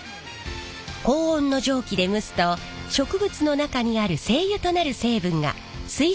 高温の蒸気で蒸すと植物の中にある精油となる成分が水蒸気と共に抽出されます。